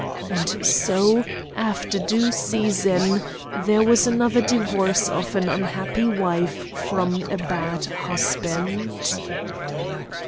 And so, after due season, there was another divorce of an unhappy wife from a bad husband.